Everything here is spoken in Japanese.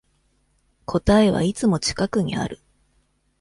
答えはいつも近くにある